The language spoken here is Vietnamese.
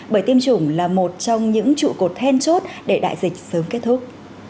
bởi tiêm chủng là một trong những trụ cột then chốt để đại dịch sớm kết thúc